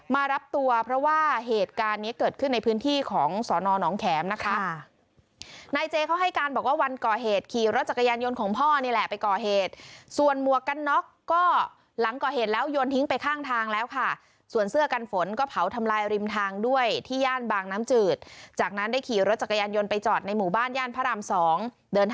มารับตัวเพราะว่าเหตุการณ์นี้เกิดขึ้นในพื้นที่ของส